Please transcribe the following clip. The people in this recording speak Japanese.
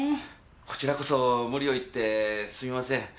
こちらこそ無理を言ってすいません。